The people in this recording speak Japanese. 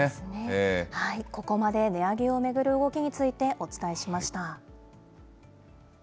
ここまで値上げを巡る動きについて、お伝えしました。